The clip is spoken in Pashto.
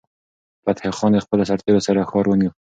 فتح خان د خپلو سرتیرو سره ښار ونیو.